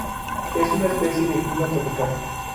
Es una especie de clima tropical